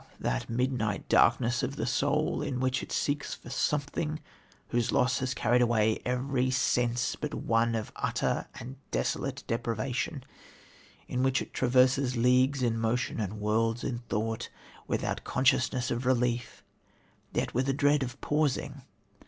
that midnight darkness of the soul in which it seeks for something whose loss has carried away every sense but one of utter and desolate deprivation; in which it traverses leagues in motion and worlds in thought without consciousness of relief, yet with a dread of pausing.